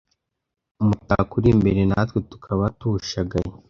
umutako uri imbere natwe tukaba tuwushagaye,